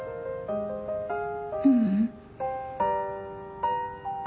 ううん。